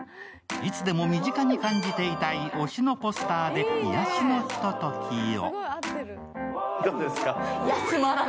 いつでも身近に感じていたい推しのポスターで、癒やしのひとときを。